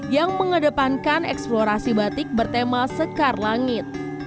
yang mengedepankan eksplorasi batik bertema sekar langit